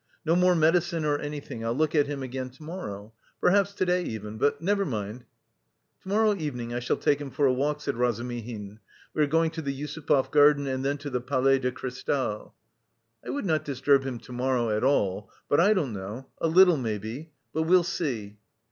"No more medicine or anything. I'll look at him again to morrow. Perhaps, to day even... but never mind..." "To morrow evening I shall take him for a walk," said Razumihin. "We are going to the Yusupov garden and then to the Palais de Cristal." "I would not disturb him to morrow at all, but I don't know... a little, maybe... but we'll see."